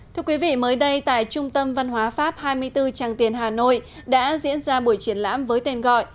thưa quý vị mới đây tại trung tâm văn hóa pháp hai mươi bốn tràng tiền hà nội đã diễn ra buổi triển lãm với tên gọi